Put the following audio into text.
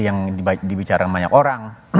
yang dibicarakan banyak orang